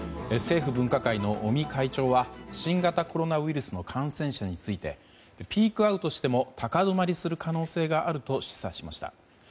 政府分科会の尾身会長は新型コロナウイルスの感染者についてピークアウトしても高止まりする可能性があると示唆しました。